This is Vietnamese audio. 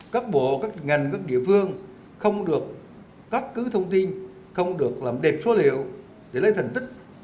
các bộ các ngành các địa phương không được cắt cứ thông tin không được làm đẹp số liệu để lấy thành tích